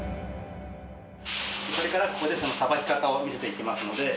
これからここでさばき方を見せていきますので。